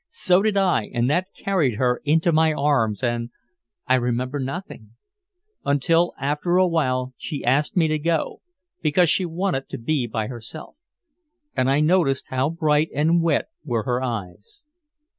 So did I, and that carried her into my arms and I remember nothing until after a while she asked me to go, because she wanted to be by herself. And I noticed how bright and wet were her eyes.